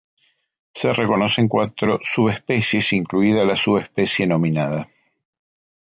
Se reconocen cuatro subespecies, incluida la subespecie nominada.